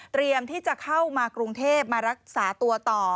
ที่จะเข้ามากรุงเทพมารักษาตัวต่อ